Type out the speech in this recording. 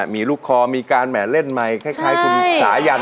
มีลูกคอมีการแห่เล่นไมค์คล้ายคุณสายัน